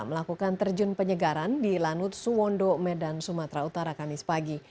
melakukan terjun penyegaran di lanut suwondo medan sumatera utara kamis pagi